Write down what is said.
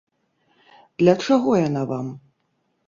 Для чаго яна вам?